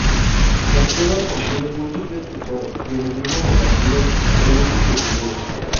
Las cuevas contienen múltiples tesoros y enemigos repartidos en múltiples niveles.